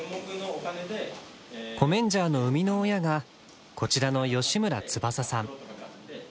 コメンジャーの生みの親がこちらの吉村翼さん。